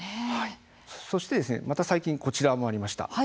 そしてまた最近こちらもありました。